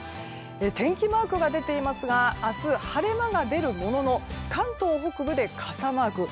天気マークが出ていますが明日、晴れ間が出るものの関東北部で傘マーク。